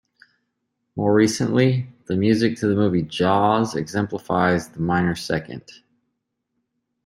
More recently, the music to the movie "Jaws" exemplifies the minor second.